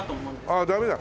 ああダメだ。